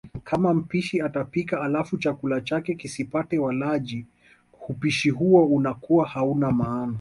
Kama mpishi atapika alafu chakula chake kisipate walaji, hupishi huo unakuwa hauna maana.